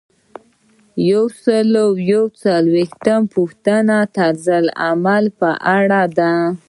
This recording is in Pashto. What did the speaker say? یو سل او یو څلویښتمه پوښتنه د طرزالعمل په اړه ده.